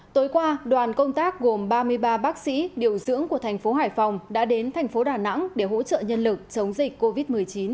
tối qua đoàn công tác gồm ba mươi ba bác sĩ điều dưỡng của thành phố hải phòng đã đến thành phố đà nẵng để hỗ trợ nhân lực chống dịch covid một mươi chín